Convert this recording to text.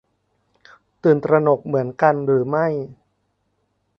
ตื่นตระหนกเหมือนกันหรือไม่